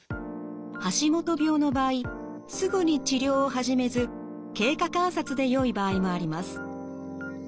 橋本病の場合すぐに治療を始めず経過観察でよい場合もあります。